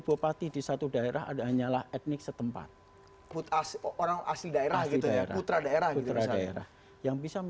bupati di satu daerah ada hanyalah etnik setempat putas orang asli daerah kita putra daerah yang bisa